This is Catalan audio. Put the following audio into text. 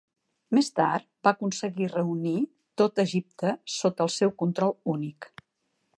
Més tard, va aconseguir reunir tot Egipte sota el seu control únic.